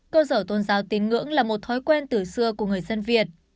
cơ sở tôn giáo tín ngưỡng là một thói quen từ xưa của người dân việt